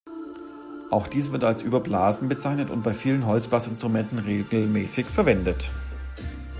Auch dies wird als Überblasen bezeichnet und bei vielen Holzblasinstrumenten regelmäßig verwendet.